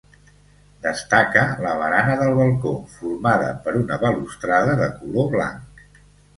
Destaca la barana del balcó, formada per una balustrada de color blanc.